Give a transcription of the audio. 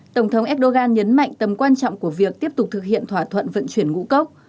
tổng thống erdogan nhấn mạnh tầm quan trọng của việc tiếp tục thực hiện thỏa thuận vận chuyển ngũ cốc